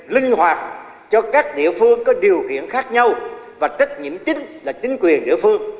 linh hoạt cho các địa phương có điều kiện khác nhau và tất nhiên tính là chính quyền địa phương